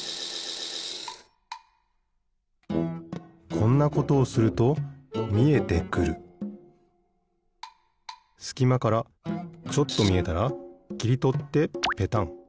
こんなことをするとみえてくるすきまからちょっとみえたらきりとってペタン。